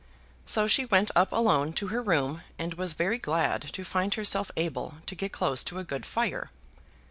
So she went up alone to her room, and was very glad to find herself able to get close to a good fire.